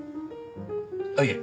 あっいえ